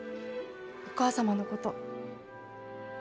お母様のこと。